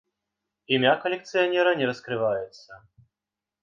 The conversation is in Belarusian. Імя калекцыянера не раскрываецца.